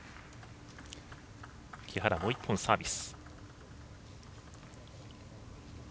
木原、もう１本、サービス。